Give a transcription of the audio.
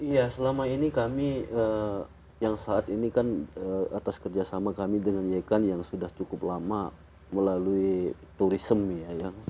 iya selama ini kami yang saat ini kan atas kerjasama kami dengan yekan yang sudah cukup lama melalui turisme ya